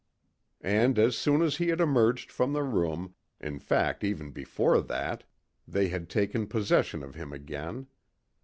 And as soon as he had emerged from the room, in fact even before that, they had taken possession of him again.